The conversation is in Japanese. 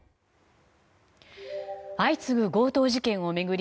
相次ぐ強盗事件を巡り